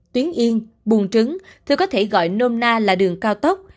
tuyến yên buồn trứng tôi có thể gọi nôm na là đường cao tốc